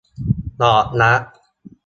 ดอกรัก